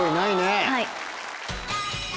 はい。